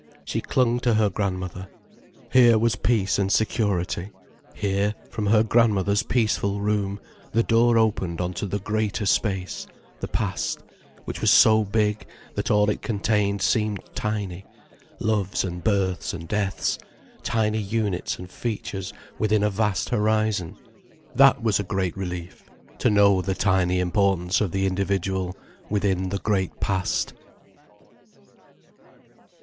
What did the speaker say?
She clung to her grandmother. Here was peace and security. Here, from her grandmother's peaceful room, the door opened on to the greater space, the past, which was so big, that all it contained seemed tiny, loves and births and deaths, tiny units and features within a vast horizon. That was a great relief, to know the tiny importance of the individual, within the great past.